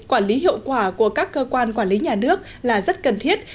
với hiệu quả của các cơ quan quản lý nhà nước là rất cần thiết